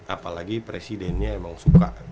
apalagi presidennya emang suka